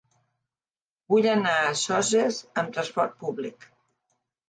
Vull anar a Soses amb trasport públic.